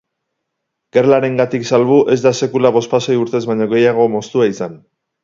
Gerlarengatik salbu, ez da sekula bospasei urtez baino gehiago moztua izan.